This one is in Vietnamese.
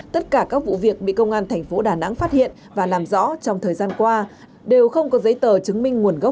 tất cả các vụ việc bị công an thành phố đà nẵng phát hiện và làm rõ trong thời gian qua đều không có giấy tờ chứng minh nguồn gốc